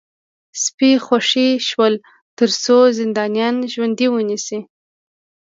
سپي خوشي شول ترڅو زندانیان ژوندي ونیسي